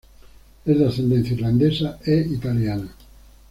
Es de ascendencia irlandesa e italiana.